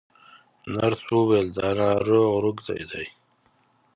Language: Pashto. نرس وویل دا ناروغ روږدی دی.